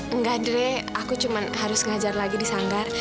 enggak dre aku cuma harus ngajar lagi di sanggar